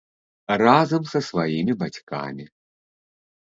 Разам са сваімі бацькамі.